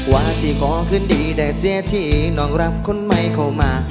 ว่าสิขอคืนดีแต่เสียที่น้องรับคนใหม่เข้ามา